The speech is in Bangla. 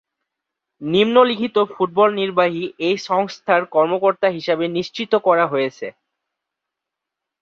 নিম্নলিখিত ফুটবল নির্বাহী এই সংস্থার কর্মকর্তা হিসেবে নিশ্চিত করা হয়েছে।